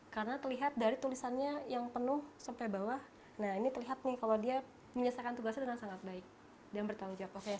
karena terlihat dari tulisannya yang penuh sampai bawah nah ini terlihat nih kalau dia menyelesaikan tugasnya dengan sangat baik dan bertanggung jawab